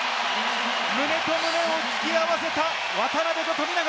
胸と胸を突き合わせた渡邊と富永。